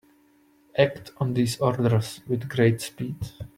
Act on these orders with great speed.